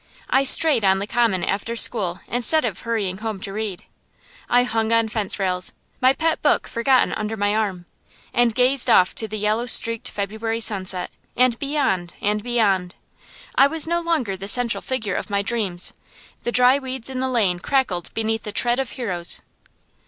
I strayed on the common after school instead of hurrying home to read. I hung on fence rails, my pet book forgotten under my arm, and gazed off to the yellow streaked February sunset, and beyond, and beyond. I was no longer the central figure of my dreams; the dry weeds in the lane crackled beneath the tread of Heroes.